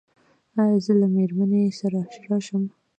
ایا زه له میرمنې سره راشم؟